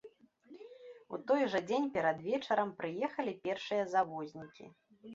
У той жа дзень перад вечарам прыехалі першыя завознікі.